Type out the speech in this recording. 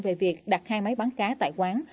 về việc đặt hai máy bắn cá tại quán